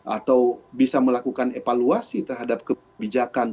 atau bisa melakukan evaluasi terhadap kebijakan